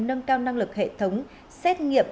nâng cao năng lực hệ thống xét nghiệm